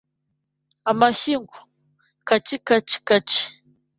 Amashyi ngo:Kacikacikaci!»